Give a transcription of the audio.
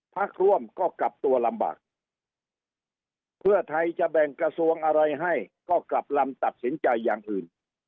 พักร่วมก็กลับตัวลำบากเพื่อไทยจะแบ่งกระทรวงอะไรให้ก็กลับลำตัดสินใจอย่างอื่น